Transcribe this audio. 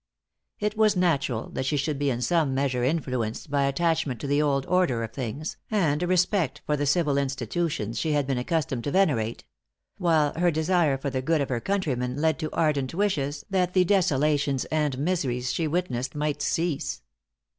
It was natural that she should be in some measure influenced by attachment to the old order of things, and respect for the civil institutions she had been accustomed to venerate; while her desire for the good of her countrymen led to ardent wishes that the desolations and miseries she witnessed might cease.